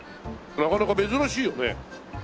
なかなか珍しいよね。